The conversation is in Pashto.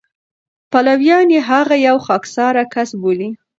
پلویان یې هغه یو خاکساره کس بولي.